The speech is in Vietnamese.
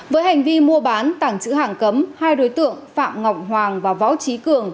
với hành vi mua bán tảng trữ hàng cấm hai đối tượng phạm ngọc hoàng và võ trí cường